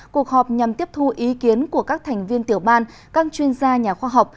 cuộc họp nhằm tiếp thu ý kiến của các thành viên tiểu ban các chuyên gia nhà khoa học